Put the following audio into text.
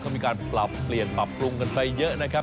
เขามีการปรับเปลี่ยนปรับปรุงกันไปเยอะนะครับ